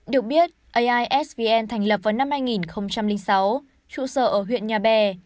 được biết aisvn thành lập vào năm hai nghìn sáu trụ sở ở huyện nhà bè